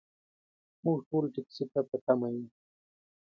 موږ ټول ټکسي ته په تمه یو .